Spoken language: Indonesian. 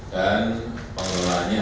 dan pengelolaannya adalah